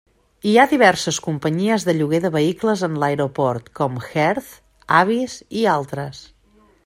Hi ha diverses companyies de lloguer de vehicles en l'aeroport com Hertz, Avis, i altres.